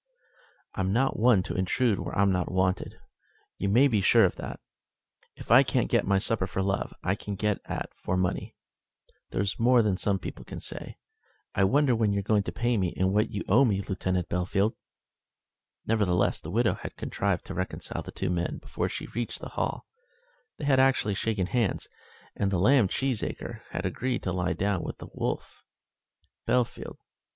"I'm not one to intrude where I'm not wanted. You may be sure of that. If I can't get my supper for love, I can get at for money. That's more than some people can say. I wonder when you're going to pay me what you owe me, Lieutenant Bellfield?" [Illustration: "I wonder when you're going to pay me what you owe me, Lieutenant Bellfield?"] Nevertheless, the widow had contrived to reconcile the two men before she reached the Hall. They had actually shaken hands, and the lamb Cheesacre had agreed to lie down with the wolf Bellfield.